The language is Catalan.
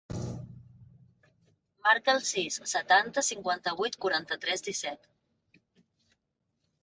Marca el sis, setanta, cinquanta-vuit, quaranta-tres, disset.